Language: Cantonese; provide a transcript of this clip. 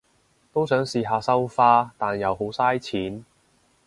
都想試下收花，但又好晒錢